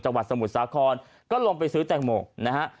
จังหวัดสมุทรสาคอนก็ลงไปซื้อแต่งหมก